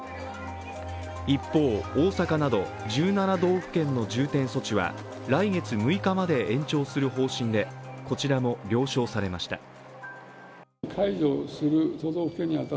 一方、大阪など１７道府県の重点措置は来月６日まで延長する方針で、こちらも了承されました。